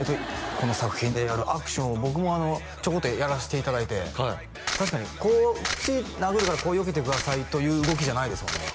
この作品でやるアクションを僕もちょこっとやらしていただいて確かにこっち殴るからこうよけてくださいという動きじゃないですもんね